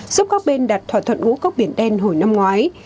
giúp các bên đặt thỏa thuận ngũ cốc biển đen hồi năm ngoái